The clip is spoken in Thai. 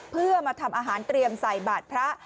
เพื่อมาทำอาหารเตรียมใส่บาทพระ